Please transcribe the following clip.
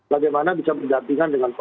bagaimana bisa bergantian dengan covid